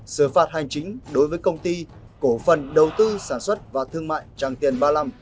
xử phạt hành chính đối với công ty cổ phần đầu tư sản xuất và thương mại tràng tiền ba mươi năm